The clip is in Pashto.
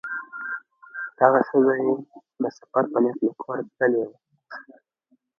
دغه ښځه یې د سفر په نیت له کوره تللې وه.